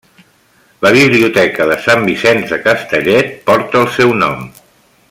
La Biblioteca de Sant Vicenç de Castellet porta el seu nom.